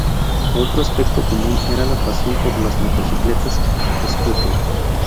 Otro aspecto común era la pasión por las motocicletas Scooter.